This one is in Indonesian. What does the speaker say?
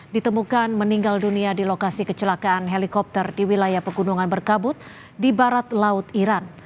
ditemukan meninggal dunia di lokasi kecelakaan helikopter di wilayah pegunungan berkabut di barat laut iran